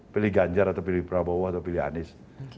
pilih ganjar atau prabowo atau anies